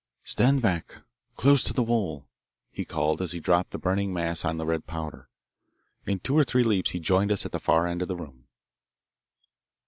"Stand back close to the wall," he called as he dropped the burning mass on the red powder. In two or three leaps he joined us at the far end of the room.